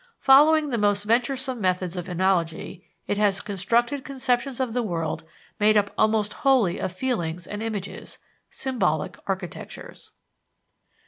Following the most venturesome methods of analogy, it has constructed conceptions of the world made up almost wholly of feelings and images symbolic architectures.